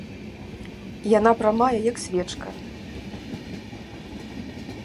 Яна прамая, як свечка.